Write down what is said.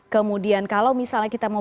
kemudian kalau misalnya kita mau